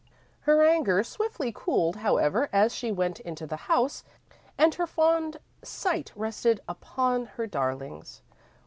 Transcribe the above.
Her anger swiftly cooled, however, as she went into the house, and her fond sight rested upon her darlings.